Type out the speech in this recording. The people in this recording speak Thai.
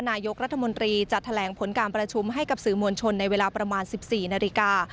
นายกรัฐมนตรีจะแถลงผลการประชุมให้กับสื่อมวลชนในเวลาประมาณ๑๔นาฬิกา